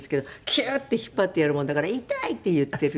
キューッて引っ張ってやるもんだから「痛い！」って言ってる。